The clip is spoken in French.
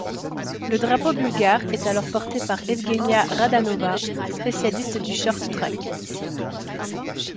Le drapeau bulgare est alors porté par Evgenia Radanova, spécialiste du short-track.